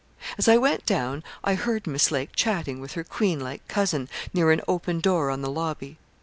As I went down I heard Miss Lake chatting with her queen like cousin near an open door on the lobby.